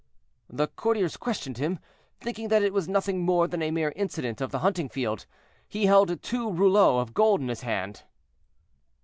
"The courtiers questioned him, thinking that it was nothing more than a mere incident of the hunting field. "He held two rouleaux of gold in his hand.